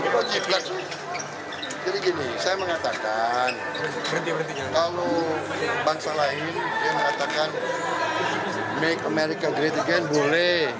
kok cip laksa jadi gini saya mengatakan kalau bangsa lain yang mengatakan make america great again boleh